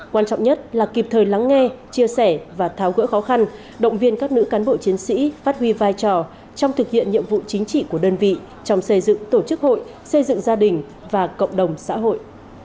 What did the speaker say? quan trọng nhất là kịp thời lắng nghe chia sẻ và tháo gỡ khó khăn động viên các nữ cán bộ chiến sĩ phát huy vai trò trong thực hiện nhiệm vụ chính trị của đơn vị trong xây dựng tổ chức hội xây dựng gia đình và cộng đồng xã hội